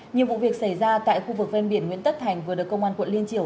nhiều vụ việc xảy ra tại khu vực ven biển nguyễn tất thành vừa được công an quận liên triều